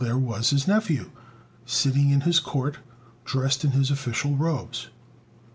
there was his nephew, sitting in his court dressed in his official robes.